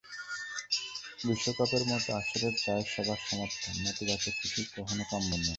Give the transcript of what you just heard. বিশ্বকাপের মতো আসরে চাই সবার সমর্থন, নেতিবাচক কিছু কখনোই কাম্য নয়।